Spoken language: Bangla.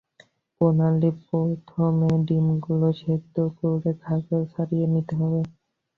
প্রণালি প্রথমে ডিমগুলো সেদ্ধ করে খোসা ছাড়িয়ে নিতে হবে।